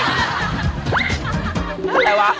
อะไรวะ